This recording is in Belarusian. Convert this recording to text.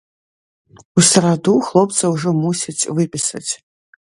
У сераду хлопца ўжо мусяць выпісаць.